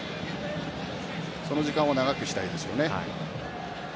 その時間を長くしたいですよね。